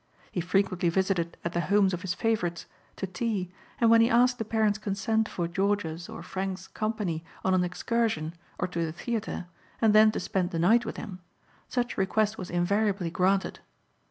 He frequently visited at the homes of his favorites, to tea, and when he asked the parents' consent for George's or Frank's company on an excursion or to the theater, and then to spend the night with him, such request was invariably granted.